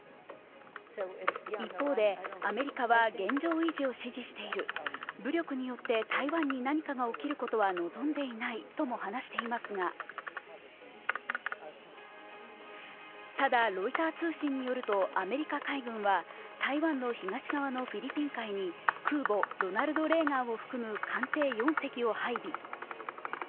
一方で、アメリカは現状維持を指示している武力によって台湾に何かが起きることは望んでいないとも話していますがただ、ロイター通信によると、アメリカ海軍は台湾の東側のフィリピン海に空母「ロナルド・レーガン」を含む艦艇４隻を配備。